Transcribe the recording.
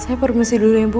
saya permasi dulu ya bu